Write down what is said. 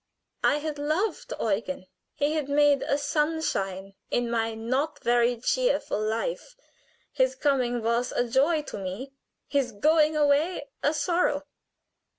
I had loved Eugen, he had made a sunshine in my not very cheerful life. His coming was a joy to me, his going away a sorrow.